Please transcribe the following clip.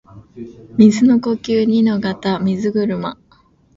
水の呼吸弐ノ型水車（にのかたみずぐるま）